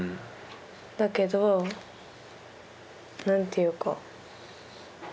だけど何ていうか。